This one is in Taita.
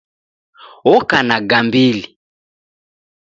Oko na gambili